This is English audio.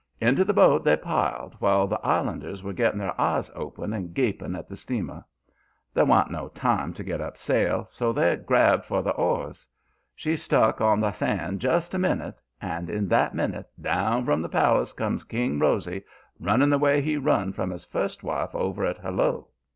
"Into the boat they piled, while the islanders were getting their eyes open and gaping at the steamer. There wa'n't no time to get up sail, so they grabbed for the oars. She stuck on the sand just a minute; and, in that minute, down from the palace comes King Rosy, running the way he run from his first wife over at Hello.